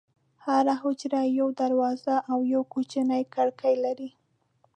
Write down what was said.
هره حجره یوه دروازه او یوه کوچنۍ کړکۍ لري.